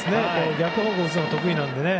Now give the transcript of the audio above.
逆方向に打つのが得意なのでね。